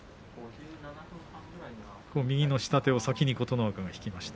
右の下手を最初琴ノ若が引きました。